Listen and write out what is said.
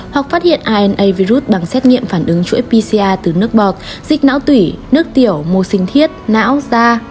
hoặc phát hiện rna virus bằng xét nghiệm phản ứng chuỗi pcr từ nước bọt dịch não tủy nước tiểu mô sinh thiết não da